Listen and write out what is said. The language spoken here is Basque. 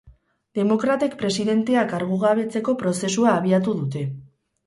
Demokratek presidentea kargugabetzeko prozesua abiatu dute.